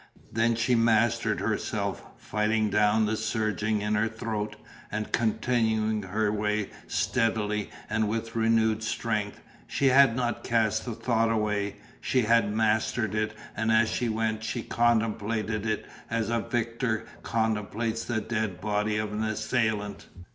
Then she mastered herself, fighting down the surging in her throat, and continuing her way steadily and with renewed strength. She had not cast the thought away, she had mastered it and as she went she contemplated it as a victor contemplates the dead body of an assailant.